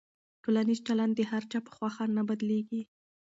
ټولنیز چلند د هر چا په خوښه نه بدلېږي.